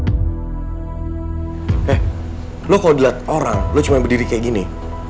eh lo kalau dilihat orang lo cuma berdiri kayak gini